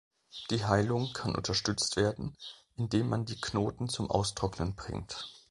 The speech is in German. Die Heilung kann unterstützt werden, indem man die Knoten zum Austrocknen bringt.